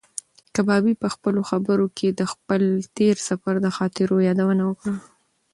کبابي په خپلو خبرو کې د خپل تېر سفر د خاطرو یادونه وکړه.